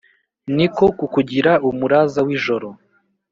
Ni ko kukugira umuraza wijoro;